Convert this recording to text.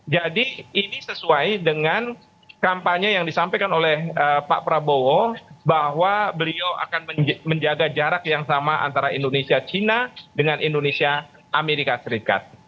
jadi ini sesuai dengan kampanye yang disampaikan oleh pak prabowo bahwa beliau akan menjaga jarak yang sama antara indonesia china dengan indonesia amerika serikat